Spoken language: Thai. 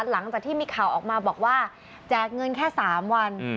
หลังจากที่มีข่าวออกมาบอกว่าแจกเงินแค่๓วัน